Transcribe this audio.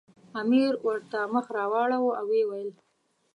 امیر ورته مخ راواړاوه او ویې ویل.